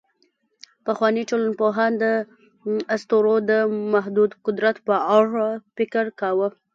پخواني ټولنپوهان د اسطورو د محدود قدرت په اړه فکر کاوه.